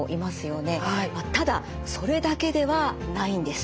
ただそれだけではないんです。